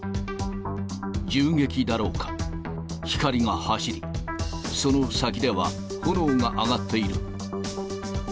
銃撃だろうか、光が走り、その先では、炎が上がっている。